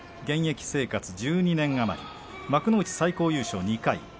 現役生活１２年余り幕内最高優勝２回。